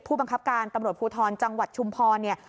ผู้บังคับการตำรวจภูทรจังหวัดชุมพรเนี่ย